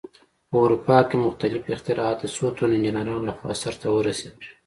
په اروپا کې مختلف اختراعات د څو تنو انجینرانو لخوا سرته ورسېدل.